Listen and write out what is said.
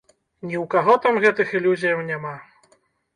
Ні ў каго там гэтых ілюзіяў няма.